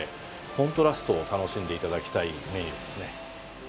コントラストを楽しんで頂きたいメニューですね。